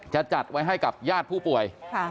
จะจัดไว้ให้กับญาติผู้ป่วย